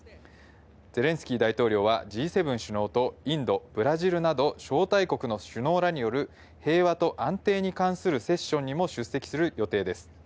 ゼレンスキー大統領は、Ｇ７首脳とインド、ブラジルなど、招待国の首脳らによる平和と安定に関するセッションにも出席する予定です。